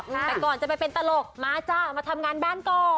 แต่ก่อนจะไปเป็นตลกมาจ้ะมาทำงานบ้านก่อน